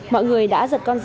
mọi người đã giật con trai